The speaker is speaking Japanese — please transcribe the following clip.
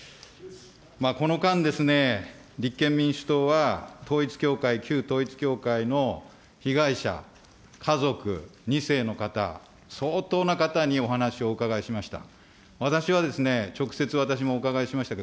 この間ですね、立憲民主党は、統一教会、旧統一教会の被害者、家族、２世の方、相当な方にお話をお伺いしました。